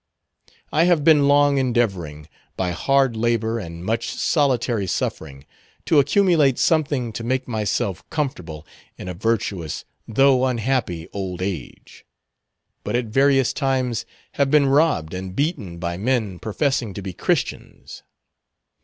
"I have been long endeavoring, by hard labor and much solitary suffering, to accumulate something to make myself comfortable in a virtuous though unhappy old age; but at various times have been robbed and beaten by men professing to be Christians.